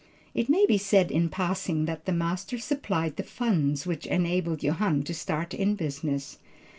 It may be said in passing, that the master supplied the funds which enabled Johann to start in business.